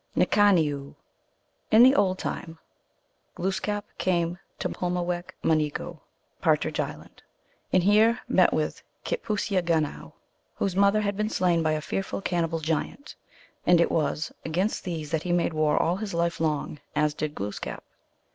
N kah nee oo. In the old time (P.) Glooskap came to Pulewech Munegoo (M., Partridge Island), and here he met with Kitpooseagtmow, 1 whose mother had been slain by a fearful cannibal giant. And it was against these that he made war all his life long, as did Glooskap.